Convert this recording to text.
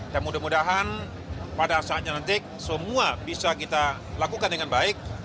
dan mudah mudahan pada saatnya nanti semua bisa kita lakukan dengan baik